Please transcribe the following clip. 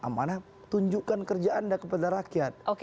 amanah tunjukkan kerja anda kepada rakyat